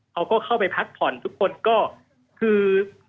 เขาก็เข้าไปพักผ่อนทุกคนก็คือ